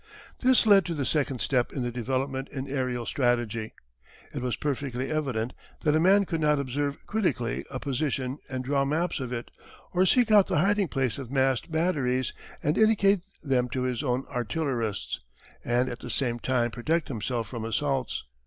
This led to the second step in the development in aërial strategy. It was perfectly evident that a man could not observe critically a position and draw maps of it, or seek out the hiding place of massed batteries and indicate them to his own artillerists, and at the same time protect himself from assaults.